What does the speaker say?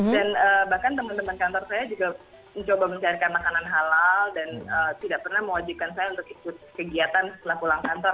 dan bahkan teman teman kantor saya juga mencoba mencairkan makanan halal dan tidak pernah mewajibkan saya untuk ikut kegiatan setelah pulang kantor